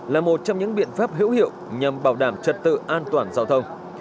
là một trong những biện pháp hữu hiệu nhằm bảo đảm trật tự an toàn giao thông